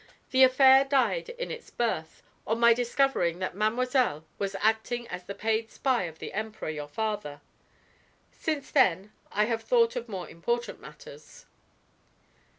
The affair died in its birth, on my discovering that mademoiselle was acting as the paid spy of the Emperor, your father. Since then I have thought of more important matters."